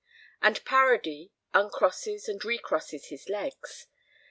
And Paradis uncrosses and recrosses his legs.